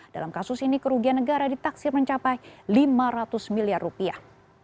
dalam kasus ini kerugian negara ditaksir mencapai lima ratus miliar rupiah